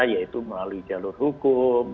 yaitu melalui jalur hukum